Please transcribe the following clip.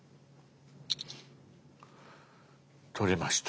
撮れました。